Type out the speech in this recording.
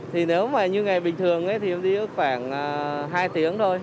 thì nếu mà như ngày bình thường thì đi khoảng hai tiếng thôi